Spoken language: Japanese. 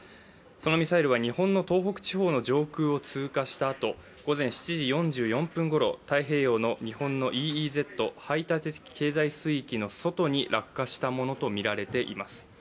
そのミサイルは日本の東北地方の上空を通過したあと午前７時４４分ごろ、太平洋の日本のＥＥＺ排他的経済水域の外に落下したとみられています。